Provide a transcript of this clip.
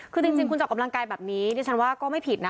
คือจริงคุณจะออกกำลังกายแบบนี้ดิฉันว่าก็ไม่ผิดนะ